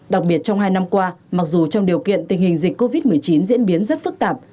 đặc biệt trong hai năm qua mặc dù trong điều kiện tình hình dịch covid một mươi chín diễn biến rất phức tạp